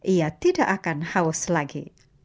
ia tidak akan haus lagi